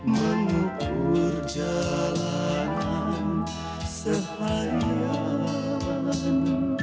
menukur jalanan seharian